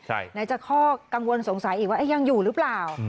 ไหนจะข้อกังวลสงสัยอีกว่ายังอยู่หรือเปล่า